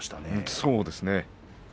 そうですね。